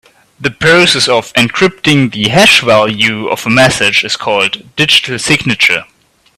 The process of encrypting the hash value of a message is called digital signature.